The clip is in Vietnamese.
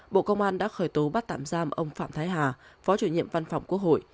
bộ công an đã khởi tố bắt tạm giam ông phạm thái hà phó chủ nhiệm văn phòng quốc hội